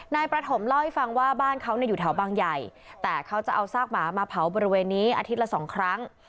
นายประถมเล่าให้ฟังว่าบ้านเขาอยู่แถวบางใหญ่แต่เขาจะเอาซากหมามาเผาบริเวณนี้อาทิตย์ละสองครั้ง